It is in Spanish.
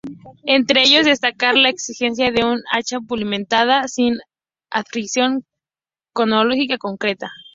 Entre ellos destacar la existencia de un hacha pulimentada sin adscripción cronológica concreta.